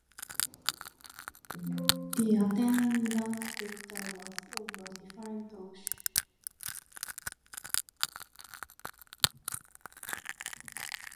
The attendant doctor was of a different opinion.